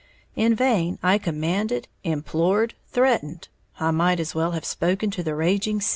In vain I commanded, implored, threatened, I might as well have spoken to the raging sea.